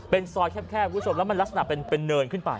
เป็นซอยแคบคุณผู้ชมแล้วมันลักษณะเป็นเนินขึ้นไป